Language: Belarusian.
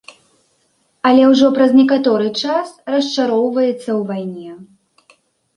Але ўжо праз некаторы час расчароўваецца ў вайне.